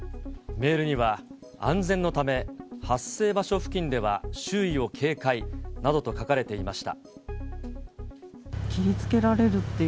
メールには、安全のため、発生場所付近では周囲を警戒などと書かれていました。